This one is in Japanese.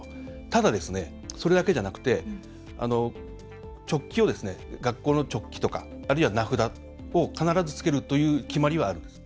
ただ、それだけじゃなくて学校のチョッキとかあるいは名札を必ずつけるという決まりはあるんです。